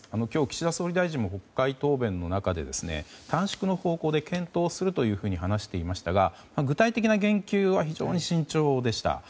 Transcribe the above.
今日、岸田総理大臣も国会答弁の中で短縮の方向で検討するというふうに話していましたが具体的な言及は非常に慎重でした。